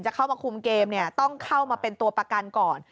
เข้ามาคุมเกมเนี่ยต้องเข้ามาเป็นตัวประกันก่อน